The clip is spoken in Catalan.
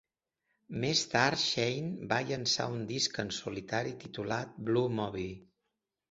Més tard, Shane va llançar un disc en solitari titulat "Blue Movie".